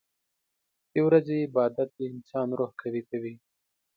• د ورځې عبادت د انسان روح قوي کوي.